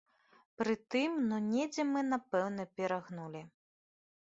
Прытым, ну недзе мы, напэўна, перагнулі.